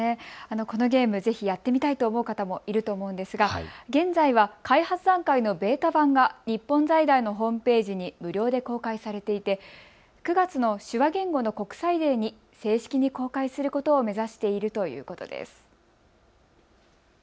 このゲーム、ぜひやってみたいと思う方もいると思うんですが現在は、開発段階のベータ版が日本財団のホームページに無料で公開されていて９月の手話言語の国際デーに正式に公開することを目指しているということです。